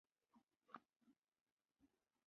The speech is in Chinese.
殿上匾额都是乾隆帝御书。